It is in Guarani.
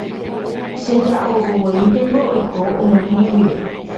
cheja'ovovoínteko oiko ag̃uahẽ guive.